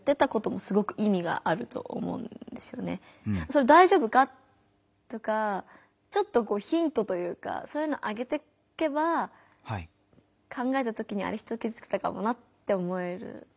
「それ大丈夫か？」とかちょっとヒントというかそういうのをあげていけば考えた時に「人をきずつけたかも」って思えると思うから。